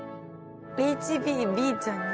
ＨＢＢちゃん２Ｂ。